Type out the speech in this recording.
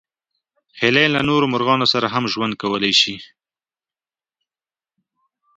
هیلۍ له نورو مرغانو سره هم ژوند کولی شي